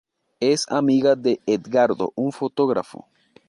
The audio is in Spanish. Es amiga de Edgardo, un fotógrafo.